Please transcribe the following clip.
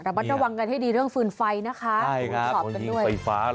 ระบัดระวังกันให้ดีเรื่องฟืนไฟนะคะ